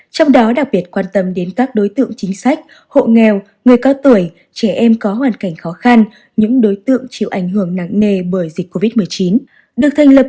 trong đó đặc biệt quan tâm đến các đối tượng chính sách hộ nghèo người cao tuổi trẻ em có hoàn cảnh khó khăn những đối tượng chịu ảnh hưởng nắng nề bởi dịch covid một mươi chín